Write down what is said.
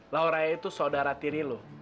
laura itu saudara tiri lo